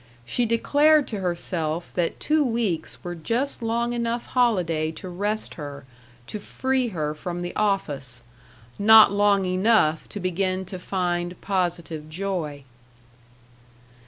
She declared to herself that two weeks were just long enough holiday to rest her, to free her from the office; not long enough to begin to find positive joy.